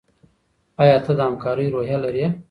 ایا ته د همکارۍ روحیه لرې؟